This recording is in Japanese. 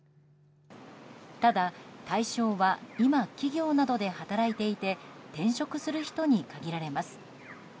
ただ、対象は今、企業などで働いていて転職する人に限られます。